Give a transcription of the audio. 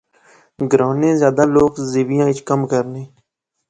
گراں نے زیادہ لوک زیویاں اچ کم کرنے